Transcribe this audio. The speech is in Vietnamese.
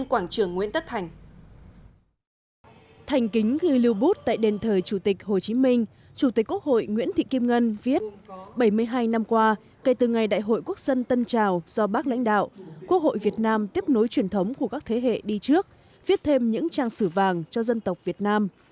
quốc hội nguyễn thị kim ngân viết bảy mươi hai năm qua kể từ ngày đại hội quốc dân tân trào do bác lãnh đạo quốc hội việt nam tiếp nối truyền thống của các thế hệ đi trước viết thêm những trang sử vàng cho dân tộc việt nam